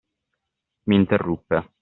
M'interruppe.